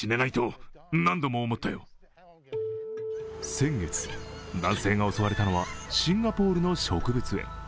先月、男性が襲われたのはシンガポールの植物園。